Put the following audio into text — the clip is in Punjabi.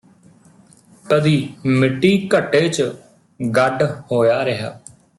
ਕਦੀ ਮਿੱਟੀਘੱਟੇ ਚ ਗੱਡ ਹੋਇਆ ਰਿਹਾ